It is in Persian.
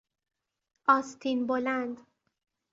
آستین بلند